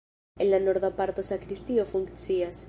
En la norda parto sakristio funkcias.